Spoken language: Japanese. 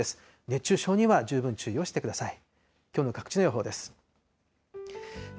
熱中症には十分注意をしてください。